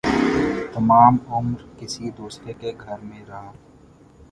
تمام عمر کسی دوسرے کے گھر میں رہا